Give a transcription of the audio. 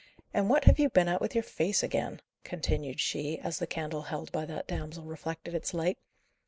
"And what have you been at with your face again?" continued she, as the candle held by that damsel reflected its light.